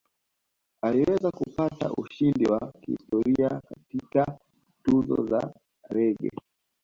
Aliweza kupata ushindi wa kihistoria katika Tuzo za Reggae